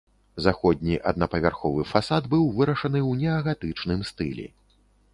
Заходні аднапавярховы фасад быў вырашаны ў неагатычным стылі.